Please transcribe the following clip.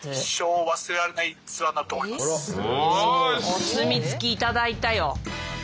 お墨付き頂いたよ。